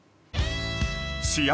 試合